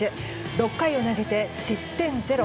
６回を投げて失点ゼロ。